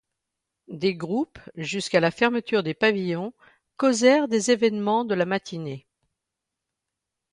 Des groupes, jusqu’à la fermeture des pavillons, causèrent des événements de la matinée.